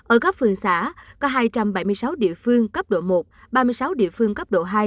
ở các phường xã có hai trăm bảy mươi sáu địa phương cấp độ một ba mươi sáu địa phương cấp độ hai